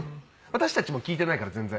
私たちも聞いてないから全然。